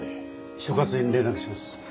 所轄に連絡します。